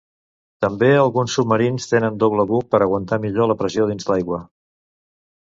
També alguns submarins tenen doble buc per aguantar millor la pressió dins l'aigua.